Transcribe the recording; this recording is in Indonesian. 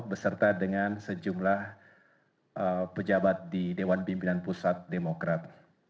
beserta dengan sejumlah pejabat di dewan pimpinan pusat demokrat